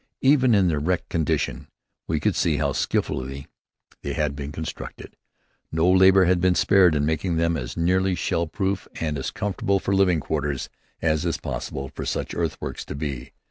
Even in their wrecked condition we could see how skillfully they had been constructed. No labor had been spared in making them as nearly shell proof and as comfortable for living quarters as it is possible for such earthworks to be.